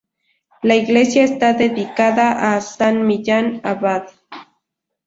La iglesia está dedicada a san Millán Abad.